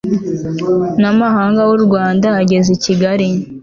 n amahanga w u rwanda ageze i kigali